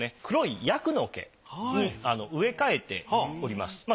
黒いヤクの毛に植え替えております。